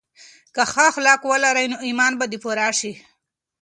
که ښه اخلاق ولرې نو ایمان به دې پوره شي.